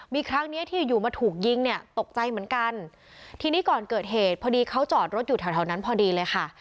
มีครั้งเนี้ยที่อยู่อยู่มาถูกยิงเนี่ยตกใจเหมือนกันทีนี้ก่อนเกิดเหตุพอดีเขาจอดรถอยู่แถวแถวนั้นพอดีเลยค่ะ